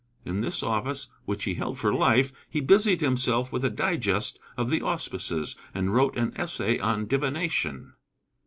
In this office, which he held for life, he busied himself with a Digest of the Auspices and wrote an essay on Divination.